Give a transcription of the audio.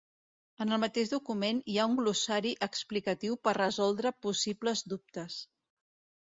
En el mateix document hi ha un glossari explicatiu per resoldre possibles dubtes.